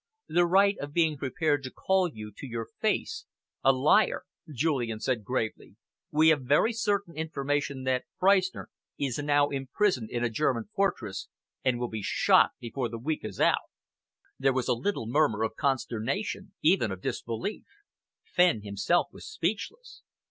"The right of being prepared to call you to your face a liar," Julian said gravely. "We have very certain information that Freistner is now imprisoned in a German fortress and will be shot before the week is out." There was a little murmur of consternation, even of disbelief. Fenn himself was speechless.